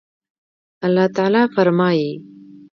الله تعالى فرمايي